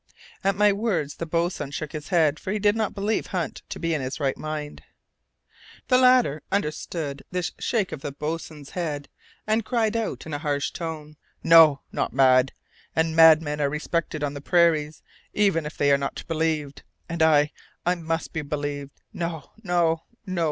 At my words the boatswain shook his head, for he did not believe Hunt to be in his right mind. The latter understood this shake of the boatswain's head, and cried out in a harsh tone, "No, not mad. And madmen are respected on the prairies, even if they are not believed. And I I must be believed. No, no, no!